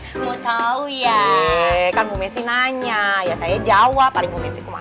enggak tahu ya kan bu messi nanya ya saya jawab